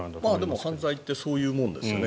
でも、犯罪ってそういうものですよね。